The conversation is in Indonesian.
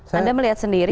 anda melihat sendiri